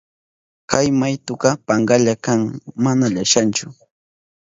Kay maytuka pankalla kan, mana llashanchu.